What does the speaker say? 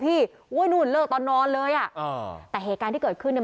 โอ้ยนู่นเลิกตอนนอนเลยอ่ะอ่าแต่เหตุการณ์ที่เกิดขึ้นเนี่ย